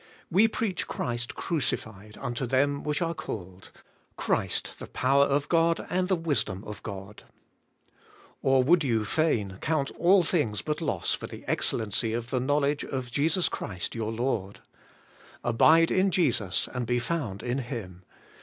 'We preach Christ crucified unto them which are called, Christ the power of God, and the wisdom of God.' Or you would fain count all things but loss for the excellency of the knowledge of Jesus Christ your Lord. Abide in Jesus, and be found in Him.